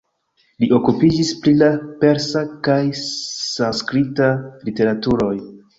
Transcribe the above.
Li okupiĝis pri la persa kaj sanskrita literaturoj.